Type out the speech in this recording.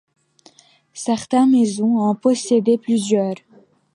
Certaines maisons en possédaient plusieurs.